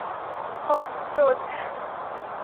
ওহ, রোজ।